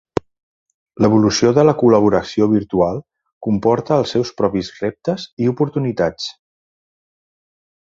L'evolució de la col·laboració virtual comporta els seus propis reptes i oportunitats.